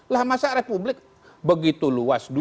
lah masa republik begitu luas